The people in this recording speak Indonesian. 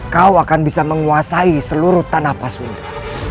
kau akan bisa menguasai seluruh tanah pasu ini